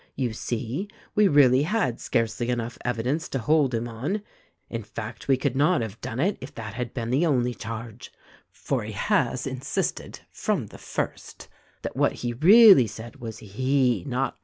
You see, we really had scarcely enough evidence to hold him on — in fact we could not have done it if that had been the only charge. For he has insisted, from the first, that what he really said was, He, not